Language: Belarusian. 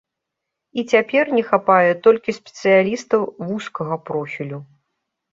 І цяпер не хапае толькі спецыялістаў вузкага профілю.